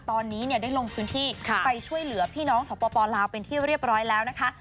ตอนนี้ได้ลงพื้นที่ไปช่วยเหลือพี่น้องสปลาวเป็นที่เรียบร้อยแล้วนะคะ